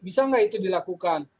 bisa nggak itu dilakukan